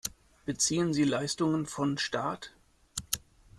Beziehen sie Leistungen von Staat?